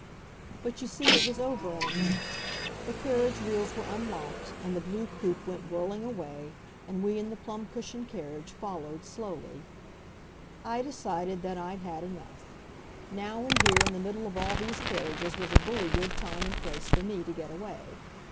But you see it was over in a minute. The carriage wheels were unlocked, and the blue coupe went whirling away, and we in the plum cushioned carriage followed slowly. I decided that I'd had enough. Now and here in the middle of all these carriages was a bully good time and place for me to get away.